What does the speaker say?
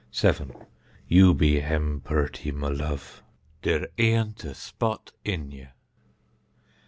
7. You be hem purty, my love; der aünt a spot in ye.